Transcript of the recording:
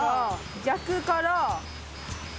逆から。